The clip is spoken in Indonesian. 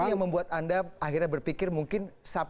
ini yang membuat anda akhirnya berpikir mungkin